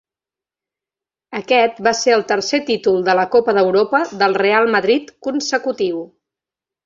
Aquest va ser el tercer títol de la Copa d'Europa del Real Madrid consecutiu.